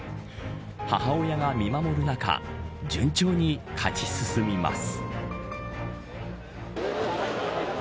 母親が見守る中順調に勝ち進みます。